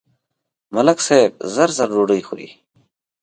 ملک صاحب زر زر ډوډۍ خوري.